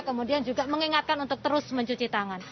kemudian juga mengingatkan untuk terus mencuci tangan